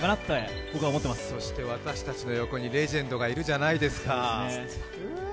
そして私たちの横にレジェンドがいるじゃないですか。